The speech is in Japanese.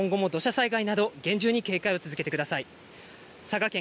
今後も土砂災害など厳重に警戒を続けてください。